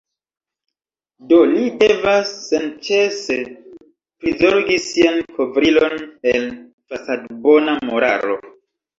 Do li devas senĉese prizorgi sian kovrilon el fasadbona moralo.